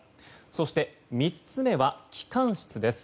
そして３つ目は機関室です。